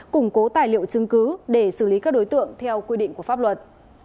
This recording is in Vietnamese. củng cố tài liệu chứng cứ để xử lý các đối tượng theo quy định của pháp luật